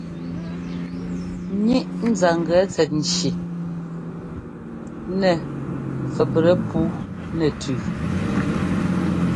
Ŋíʼ nzanglɛ tsɛt nci mɛ fɛptɛ puu nɛ tʉ́.